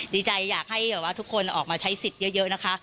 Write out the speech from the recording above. ดีใจอยากให้แบบว่าทุกคนออกมาใช้สิทธิ์เยอะนะคะ